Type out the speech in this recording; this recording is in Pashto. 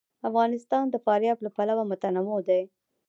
افغانستان د فاریاب له پلوه متنوع دی.